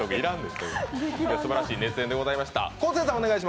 すばらしい熱演でございました。